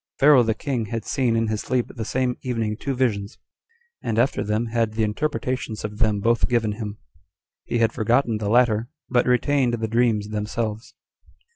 Pharaoh the king had seen in his sleep the same evening two visions; and after them had the interpretations of them both given him. He had forgotten the latter, but retained the dreams themselves.